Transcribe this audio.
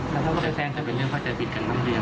แต่ถ้าเค้าจะแซงก็เป็นเรื่องเข้าใจผิดกันข้างหลัง